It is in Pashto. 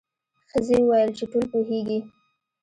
ښځې وویل چې ټول پوهیږي.